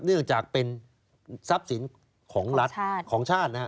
เนื่องจากเป็นทรัพย์สินของรัฐของชาตินะฮะ